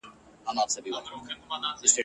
پرنګیانو د غازيانو قوت نه سوای کنټرولولای.